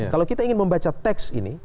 kalau kita ingin membaca teks ini